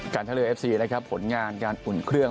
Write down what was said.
ท่าเรือเอฟซีนะครับผลงานการอุ่นเครื่อง